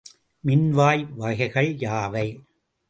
மின்வாய் வகைகள் யாவை?